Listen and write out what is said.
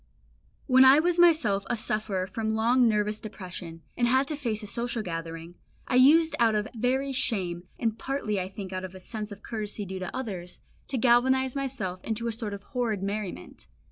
When I was myself a sufferer from long nervous depression, and had to face a social gathering, I used out of very shame, and partly I think out of a sense of courtesy due to others, to galvanise myself into a sort of horrid merriment.